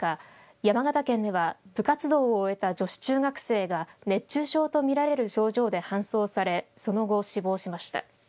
山形県では部活動を終えた女子中学生が熱中症と見られる症状で搬送されその後死亡しました。